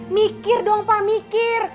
mikir dong pak mikir